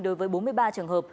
đối với bốn mươi ba trường hợp